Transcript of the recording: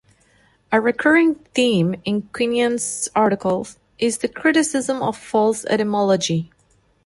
A recurring theme in Quinion's articles is the criticism of false etymology.